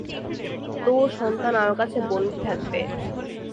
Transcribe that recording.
তোর সন্তান আমার কাছে বন্দি থাকবে!